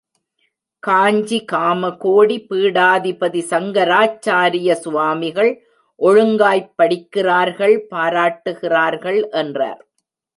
காஞ்சி காமகோடி பீடாதிபதி சங்கராச்சாரிய சுவாமிகள் ஒழுங்காய்ப் படிக்கிறார்கள் பாராட்டுகிறார்கள் என்றார்.